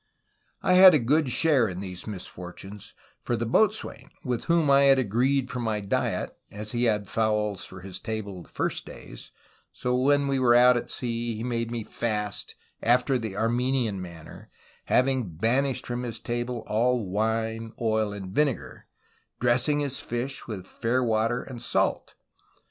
I had a good share in these misfortunes; for the boat swain, with whom I had agreed for my diet, as he had fowls at his table the first days, so when we were out at sea he made me fast after the Armenian manner, having banishM from his table all wine, oil and vinegar; dressing his fish with fair water and salt.